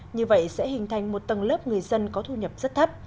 như vậy sẽ hình thành một tầng lớp người dân có thu nhập rất thấp